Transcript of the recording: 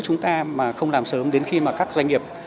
chúng ta mà không làm sớm đến khi mà các doanh nghiệp